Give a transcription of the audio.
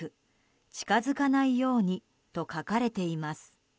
近づかないように」と書かれています。